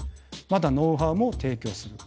またノウハウも提供する。